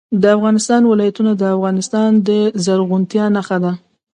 د افغانستان ولايتونه د افغانستان د زرغونتیا نښه ده.